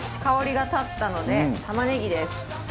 香りが立ったので、玉ねぎです。